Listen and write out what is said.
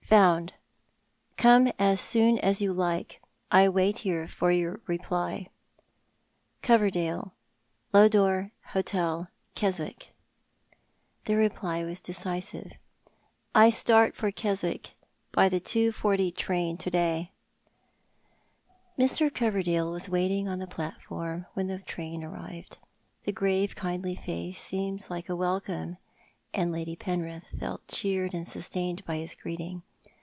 " Found. Come as soon as you like. I wait here for your reply. — Coverdale, Lodore Hotel, Keswick." The reply was decisive —" I start for Keswick by the 2.40 train to day." ]Mr. Coverdale was waiting on the platform when the train arrived. The grave kindly face seemed like a welcome, and Lady Penrith felt cheered and sustained by his greeting.